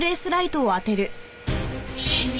シミ！